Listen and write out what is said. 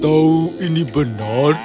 tahu tahu ini benar